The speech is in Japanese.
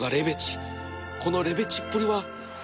このレベチっぷりはまさに